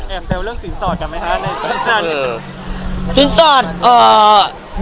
แอมเซลเรื่องศีรษรกันไหมน่ะครับ